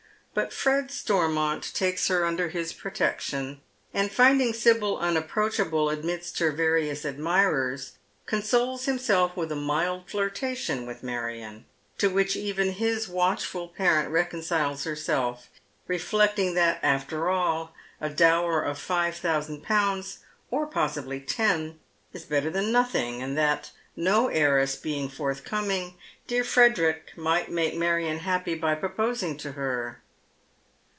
But Fred Stormont takes her under his protection, and finding Sibyl unapproachable amidst ner various admirers, consoles hiniseU" with a mild flirta t on with Marion, to which even his watchful parent reconciles V'rselt, rellecting that, after ah, a dower of five thousand pouiwla Tilherry Steeplechate, 199 •—or possibly ten — is better than nothinc:, and that, no heiress being forthcoming', dear Frederick might make Marion happy by proposing to her.